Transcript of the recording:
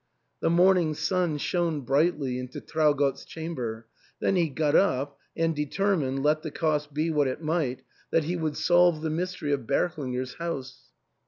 The morning sun shone brightly into Traugott's chamber ; then he got up, and determined, let the cost be what it might, that he would solve the mystery of Berklinger's house.